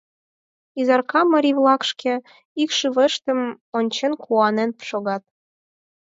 Изарка марий-влак шке икшывыштым ончен куанен шогат.